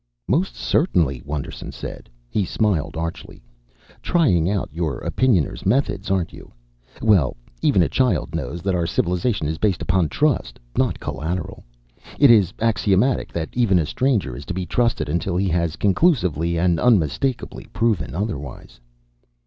"Most certainly," Wonderson said. He smiled archly. "Trying out your Opinioner's methods, aren't you? Well, even a child knows that our civilization is based upon trust, not collateral. It is axiomatic that even a stranger is to be trusted until he has conclusively and unmistakably proven otherwise."